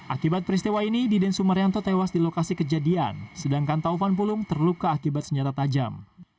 akibat peristiwa ini diden sumaryanto tewas di lokasi kejadian sedangkan taufan pulung terluka akibat senjata tajam